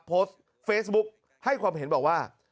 โพสต์เฟซบุ๊คให้ความเห็นบอกว่า